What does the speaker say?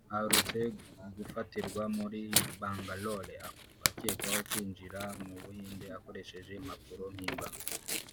aherutse gufatirwa muri Bangalore akekwaho kwinjira mu Buhinde akoresheje impapuro mpimbano